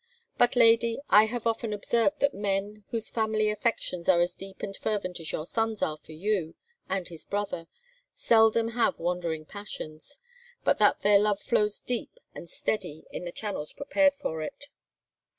But, lady, I have often observed that men, whose family affections are as deep and fervent as your son's are for you and his brother, seldom have wandering passions, but that their love flows deep and steady in the channels prepared for it.